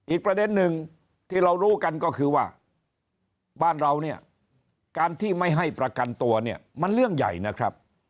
อีกประเด็นหนึ่งที่เรารู้กันก็คือว่าบ้านเราเนี่ยการที่ไม่ให้ประกันตัวเนี่ยมันเรื่องใหญ่นะครับ